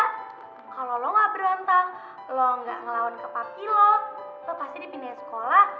kalau lo gak berontak lo gak ngelawan kepake lo lo pasti dipindahin sekolah